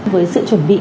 với sự chuẩn bị